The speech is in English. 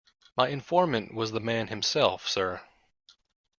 My informant was the man himself, sir.